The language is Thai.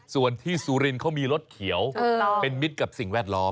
ส่วนที่สุรินทร์เขามีรถเขียวเป็นมิตรกับสิ่งแวดล้อม